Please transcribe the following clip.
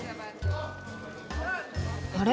あれ？